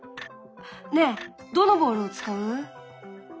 ねえどのボールを使う？